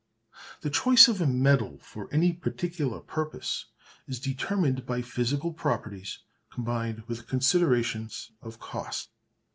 The choice of a metal for any particular purpose is determined by physical properties combined with considerations of cost.